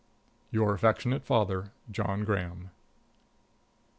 Your affectionate father, JOHN GRAHAM.